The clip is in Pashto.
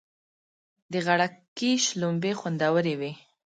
د غړکی شلومبی خوندوری وی.